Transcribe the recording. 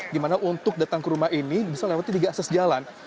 di mana untuk datang ke rumah ini bisa melewati tiga akses jalan